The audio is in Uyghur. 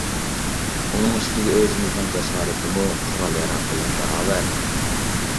ئۇنىڭ ئۈستىگە ئۆزىمىزنىڭ جاسارىتىمۇ قورال-ياراغ بىلەن باراۋەر.